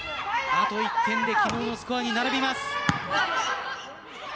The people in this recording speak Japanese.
あと１点で昨日のスコアに並びます。